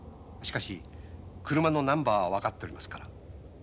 しかし車のナンバーは分かっておりますから。